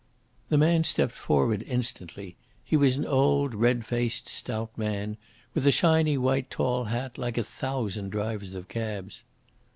The man stepped forward instantly. He was an old, red faced, stout man, with a shiny white tall hat, like a thousand drivers of cabs.